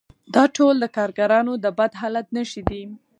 دا ټول د کارګرانو د بد حالت نښې دي